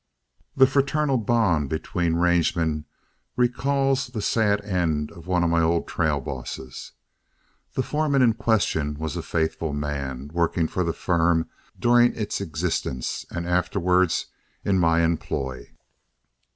The fraternal bond between rangemen recalls the sad end of one of my old trail bosses. The foreman in question was a faithful man, working for the firm during its existence and afterwards in my employ.